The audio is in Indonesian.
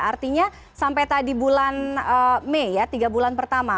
artinya sampai tadi bulan mei ya tiga bulan pertama